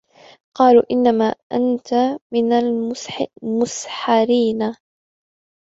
قَالُوا إِنَّمَا أَنْتَ مِنَ الْمُسَحَّرِينَ